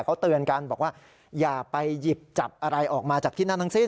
เขาเตือนกันบอกว่าอย่าไปหยิบจับอะไรออกมาจากที่นั่นทั้งสิ้น